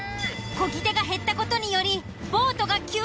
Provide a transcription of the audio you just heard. こぎ手が減った事により。